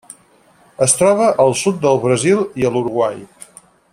Es troba al sud del Brasil i a l'Uruguai.